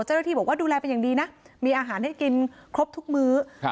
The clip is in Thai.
เจ้าหน้าที่บอกว่าดูแลเป็นอย่างดีนะมีอาหารให้กินครบทุกมื้อครับ